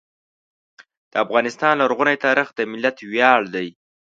د افغانستان لرغونی تاریخ د ملت ویاړ دی.